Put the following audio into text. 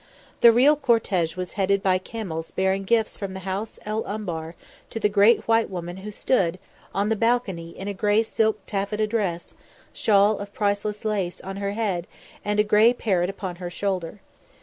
The real cortège was headed by camels bearing gifts from the House el Umbar to the great white woman who stood, on the balcony in a grey silk taffeta dress, a shawl of priceless lace on her head and a grey parrot upon her shoulder.